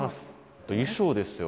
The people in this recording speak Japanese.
あと衣装ですよ